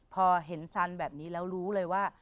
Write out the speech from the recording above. พอเห็นสันแบบนี้แล้วรู้เลยว่า